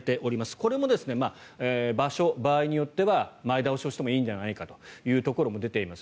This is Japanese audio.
これも場所、場合によっては前倒してもいいのではないかというところも出ております。